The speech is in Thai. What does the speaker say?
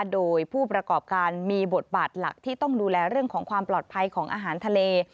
โดยผู้ประกอบการมีบทบาทหลักที่ต้องดูแลเรื่องของความปลอดภัยของอาหารทะเล